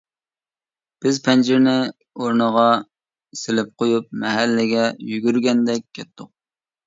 بىز پەنجىرىنى ئورنىغا سېلىپ قويۇپ، مەھەللىگە يۈگۈرگەندەك كەتتۇق.